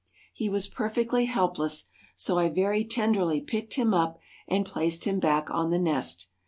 He was perfectly helpless, so I very tenderly picked him up and placed him back on the nest.